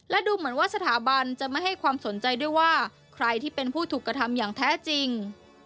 และดูเหมือนว่าสถาบันจะไม่ให้ความสนใจด้วยว่าใครที่เป็นผู้ถูกกระทำอย่างแท้จริง